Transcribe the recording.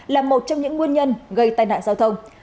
là một trong những nguyên nhân gây tai nạn giao thông